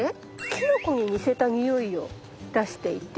キノコに似せたニオイを出していて。